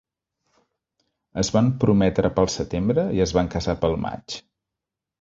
Es van prometre pel setembre i es van casar pel maig.